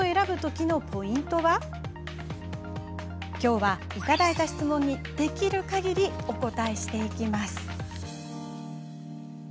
きょうは、いただいた質問にできるかぎりお答えしていきます。